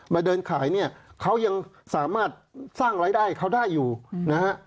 เดินขายเนี่ยเขายังสามารถสร้างรายได้เขาได้อยู่นะฮะ